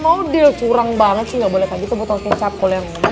oh juna iya yaudah itulah intinya